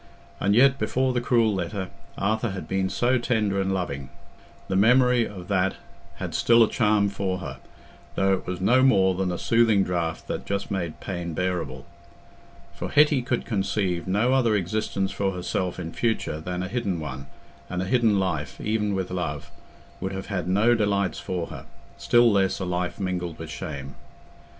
And yet, before the cruel letter, Arthur had been so tender and loving. The memory of that had still a charm for her, though it was no more than a soothing draught that just made pain bearable. For Hetty could conceive no other existence for herself in future than a hidden one, and a hidden life, even with love, would have had no delights for her; still less a life mingled with shame.